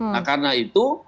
nah karena itu